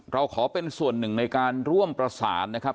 เราขอเป็นส่วนหนึ่งในการร่วมประสานนะครับ